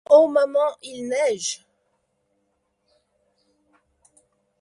Oh maman, il neige !